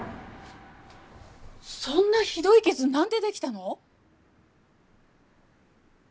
そんなひどい傷何で出来たの！？